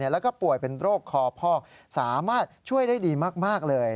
แล้วก็ป่วยเป็นโรคคอพอกสามารถช่วยได้ดีมากเลย